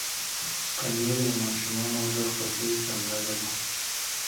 پنېر د ماشومانو د خوښې سندره ده.